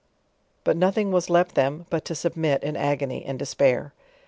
But nothing was left them, but to sub mit in agony and despair.